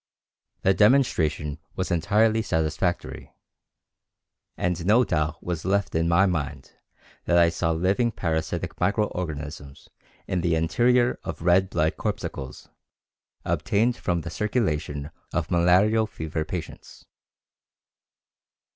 The demonstration was entirely satisfactory, and no doubt was left in my mind that I saw living parasitic micro organisms in the interior of red blood corpuscles obtained from the circulation of malarial fever patients.